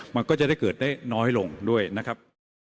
มันก็จะได้เกิดได้น้อยลงด้วยนะครับ